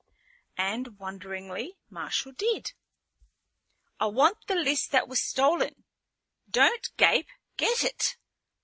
And wonderingly Marshal did. "I want the list that was stolen. Don't gape! Get it!"